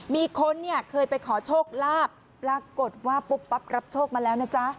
มีคนเนี่ยเคยไปขอโชคลาภปรากฏว่าปุ๊บปั๊บรับโชคมาแล้วนะจ๊ะ